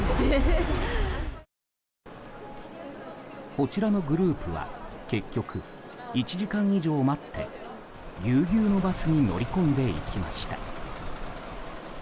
こちらのグループは結局、１時間以上待ってぎゅうぎゅうのバスに乗り込んでいきました。